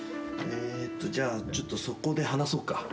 えーとじゃあちょっとそこで話そうか。